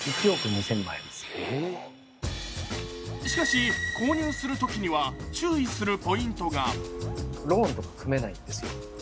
しかし、購入するときには注意するポイントが。